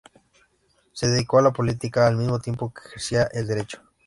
Se dedicó a la política al mismo tiempo que ejercía el derecho.